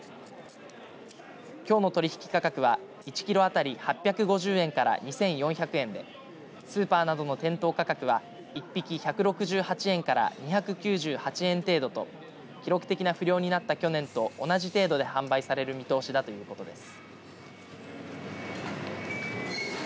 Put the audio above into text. きょうの取引価格は１キロ当たり８５０円から２４００円でスーパーなどの店頭価格は１匹１６８円から２９８円程度と記録的な不漁になった去年と同じ程度で販売される見通しだということです。